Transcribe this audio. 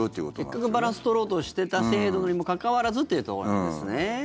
せっかくバランス取ろうとしてた制度にもかかわらずというところなんですね。